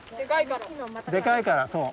でかいからそう。